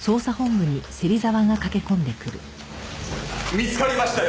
見つかりましたよ！